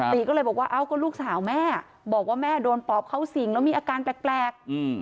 ติก็เลยบอกว่าเอ้าก็ลูกสาวแม่บอกว่าแม่โดนปอบเข้าสิ่งแล้วมีอาการแปลก